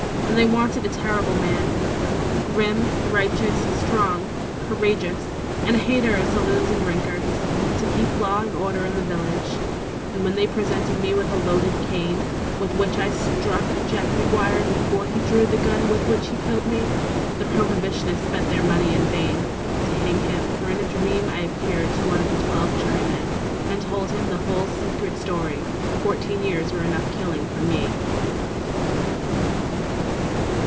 And they wanted a terrible man, Grim, righteous, strong, courageous, And a hater of saloons and drinkers, To keep law and order in the village. And they presented me with a loaded cane With which I struck Jack McGuire Before he drew the gun with which he killed me. The Prohibitionists spent their money in vain To hang him, for in a dream I appeared to one of the twelve jurymen And told him the whole secret story. Fourteen years were enough for killing me.